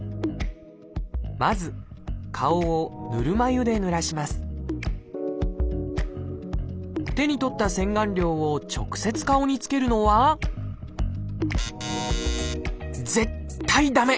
まず手に取った洗顔料を直接顔につけるのは絶対駄目！